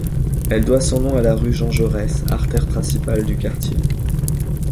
Elle doit son nom à la rue Jean-Jaurès, artère principale du quartier.